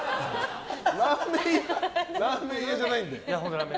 ラーメン屋じゃないんで。